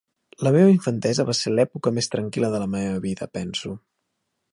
La meva infantesa va ser l'època més tranquil·la de la meva vida, penso.